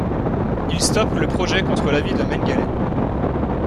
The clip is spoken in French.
Ils stoppent le projet contre l'avis de Mengele.